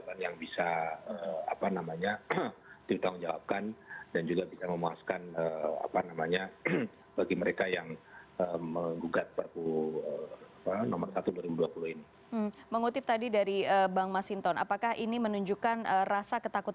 jadi saya kira tidak ada masalah seperti yang sudah sudah juga banyak yang mengajukan jurister review